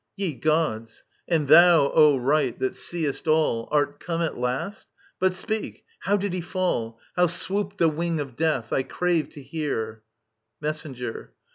Ye Gods I And thou, O Right, that seest all. Art come at last ?••• But speak ; how did he fall ? How swooped the wing of death? ... I crave to hear. Messenger.